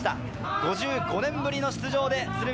５５年ぶりの出場で鶴見